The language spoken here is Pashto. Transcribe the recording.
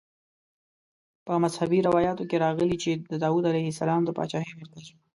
په مذهبي روایاتو کې راغلي چې د داود علیه السلام د پاچاهۍ مرکز وه.